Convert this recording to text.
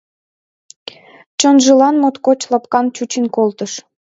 Чонжылан моткоч лапкан чучын колтыш.